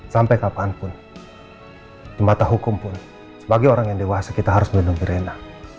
sampai kapanpun di mata hukum pun sebagai orang yang dewasa kita harus melindungi reina